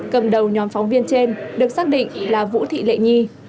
cầm đầu nhóm phóng viên trên được xác định là vũ thị lệ nhi